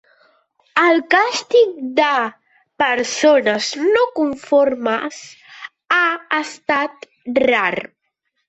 El càstig de persones no conformes ha estat rar.